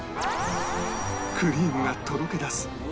クリームがとろけ出す！